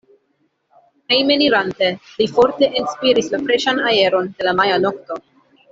Hejmenirante li forte enspiris la freŝan aeron de la maja nokto.